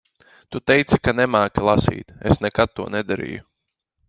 Tu teici ka nemāki lasīt. Es nekad to nedarīju.